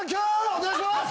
お願いします。